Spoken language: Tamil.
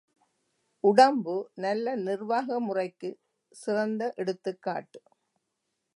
உடம்பு நல்ல நிர்வாக முறைக்குச் சிறந்த எடுத்துக் காட்டு.